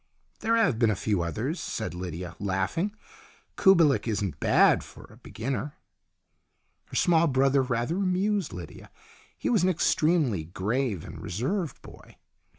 There have been a few others," said Lydia, laughing. " Kubelik isn't bad for a beginner." Her small brother rather amused Lydia. He was an extremely grave and reserved boy.